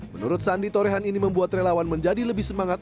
menurut sandi torehan ini membuat relawan menjadi lebih semangat